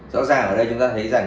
rõ ràng ở đây chúng ta thấy rằng